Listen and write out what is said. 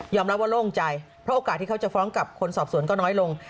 รับว่าโล่งใจเพราะโอกาสที่เขาจะฟ้องกับคนสอบสวนก็น้อยลง